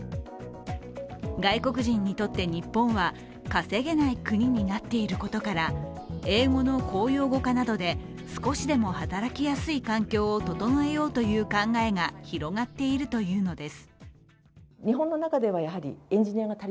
外国人にとって日本は稼げない国になっていることから英語の公用語化などで少しでも働きやすい環境を整えようという考えが広がっているというのです。